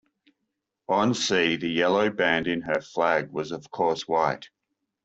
On sea the yellow band in her flag was of course white.